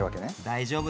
大丈夫？